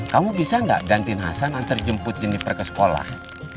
kamu bisa gak gantin hasan antar jemput jennifer ke sekolah